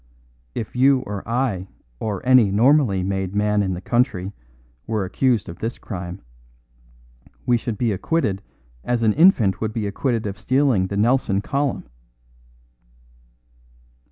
If you or I or any normally made man in the country were accused of this crime, we should be acquitted as an infant would be acquitted of stealing the Nelson column."